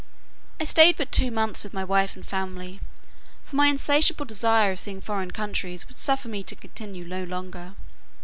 I stayed but two months with my wife and family, for my insatiable desire of seeing foreign countries, would suffer me to continue no longer.